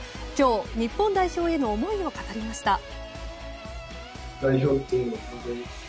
今日、日本代表への思いを語りました。